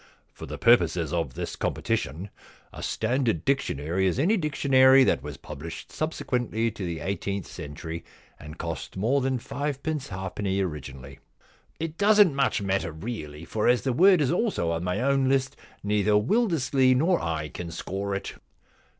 * For the purposes of this competition a standard dictionary is any dictionary that was published subsequently to the eighteenth cen tury and cost more than fivepence halfpenny originally.' * It doesn't much matter really, for as the word is also on my own list neither Wildersley nor I can score it.'